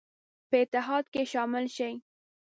په اتحاد کې شامل شي.